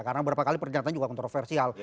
karena beberapa kali pernyataannya juga kontroversial